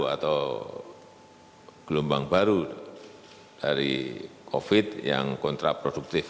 atau gelombang baru dari covid sembilan belas yang kontraproduktif